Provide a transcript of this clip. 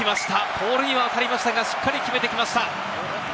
ポールには当たりましたが、しっかり決めてきました。